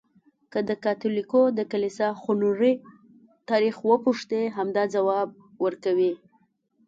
که د کاتولیکو د کلیسا خونړی تاریخ وپوښتې، همدا ځواب ورکوي.